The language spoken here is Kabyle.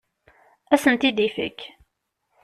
Ad asen-t-id-ifek.